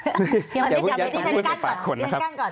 อย่าพึ่งยัดคำพูดใส่ปากผมนะครับ